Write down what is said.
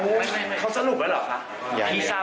พี่วีระเขาก็พูดว่าใครอะไร